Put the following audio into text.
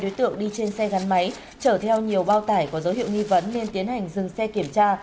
đối tượng đi trên xe gắn máy chở theo nhiều bao tải có dấu hiệu nghi vấn nên tiến hành dừng xe kiểm tra